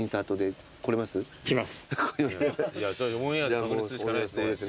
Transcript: オンエアで確認するしかないですね。